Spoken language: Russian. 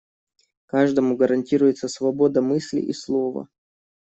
Каждому гарантируется свобода мысли и слова.